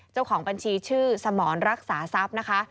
เจ้าของบัญชีชื่อสมรรักษาทรัพย์นะคะ